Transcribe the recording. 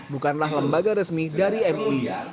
bukanlah lembaga resmi dari mui